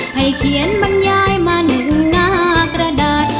ให้เขียนบรรยายมันหน้ากระดาษ